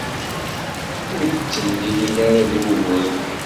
Ur d-ttemlilin ara d wuguren.